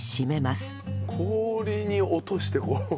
氷に落としてこう。